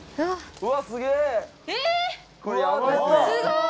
うわっすごい！